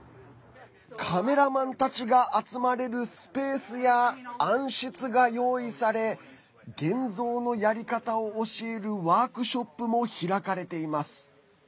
カメラマンたちが集まれるスペースや、暗室が用意され現像のやり方を教えるワークショップも開かれています。